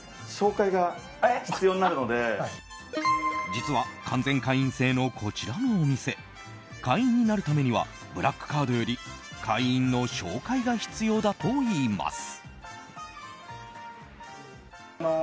実は完全会員制のこちらのお店会員になるためにはブラックカードより会員の紹介が必要だといいます。